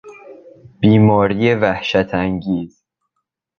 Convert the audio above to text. بیماری وحشتانگیز